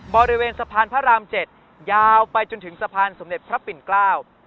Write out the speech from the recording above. บริเวณสะพานพระรามเจ็ดยาวไปจนถึงสะพานสมเด็จพระปิ่นเกล้า